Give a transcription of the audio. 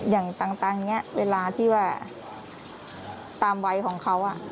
อย่างต่างเนี่ยเวลาที่ว่าตามวัยของเขา